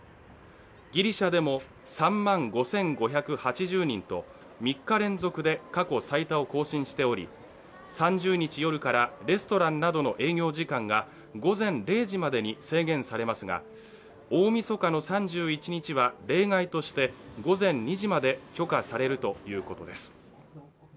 ギリシャでも３万５５８０人と、３日連続で過去最多を更新しており３０日夜からレストランなどの営業時間が午前０時までに制限されますが、大みそかの３１日は例外として午前２時まで許可されるということです。